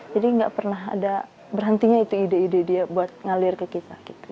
jadi nggak pernah ada berhentinya itu ide ide dia buat ngalir ke kita gitu